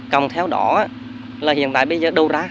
còn theo đó là hiện tại bây giờ